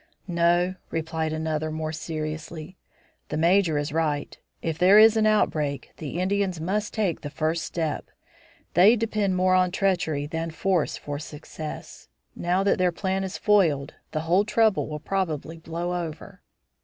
"No," replied another, more seriously. "The Major is right. If there is an outbreak, the Indians must take the first step. They depend more on treachery than force for success; now that their plan is foiled, the whole trouble will probably blow over."